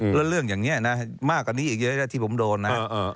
แล้วเรื่องอย่างนี้นะมากกว่านี้อีกเยอะนะที่ผมโดนนะ